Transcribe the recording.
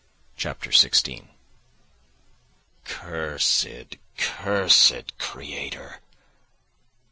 Chapter 16 "Cursed, cursed creator!